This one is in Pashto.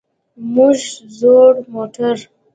موږ زوړ موټر.